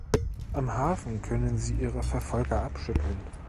Am Hafen können sie ihre Verfolger abschütteln.